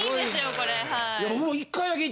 これはい。